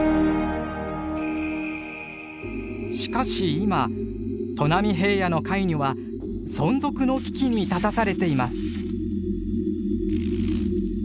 しかし今砺波平野のカイニョは存続の危機に立たされています。